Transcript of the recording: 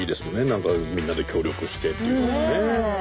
何かみんなで協力してっていうのはね。